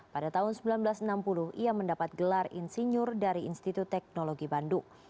pada tahun seribu sembilan ratus enam puluh ia mendapat gelar insinyur dari institut teknologi bandung